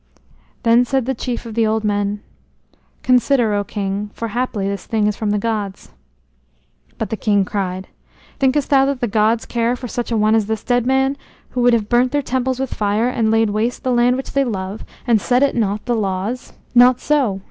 Then said the chief of the old men: "Consider, O King, for haply this thing is from the gods." But the king cried: "Thinkest thou that the gods care for such an one as this dead man, who would have burnt their temples with fire, and laid waste the land which they love, and set at naught the laws? Not so.